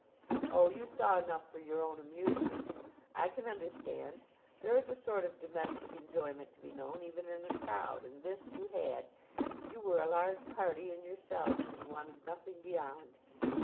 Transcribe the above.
"Oh! you saw enough for your own amusement. I can understand. There is a sort of domestic enjoyment to be known even in a crowd, and this you had. You were a large party in yourselves, and you wanted nothing beyond."